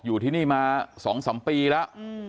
อยู่ที่นี่มา๒๓ปีแล้ว